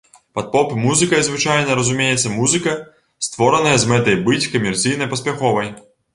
Пад поп-музыкай звычайна разумеецца музыка, створаная з мэтай быць камерцыйна паспяховай.